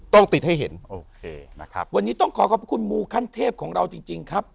ต้องติดให้เห็นโอเคนะครับวันนี้ต้องขอขอบคุณมูขั้นเทพของเราจริงครับ